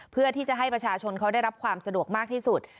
เพื่อที่จะให้ประชาชนเขาได้รับความสะดวกมากที่สุด